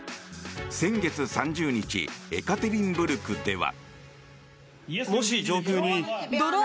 先月３０日エカテリンブルクでは。